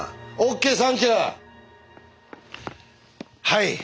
はい。